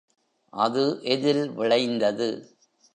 அது எதில் விளைந்தது?